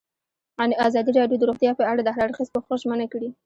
ازادي راډیو د روغتیا په اړه د هر اړخیز پوښښ ژمنه کړې.